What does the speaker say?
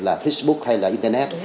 là facebook hay là internet